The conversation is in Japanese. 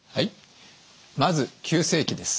まず急性期です。